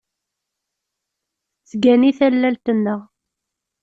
Tettgani tallalt-nneɣ.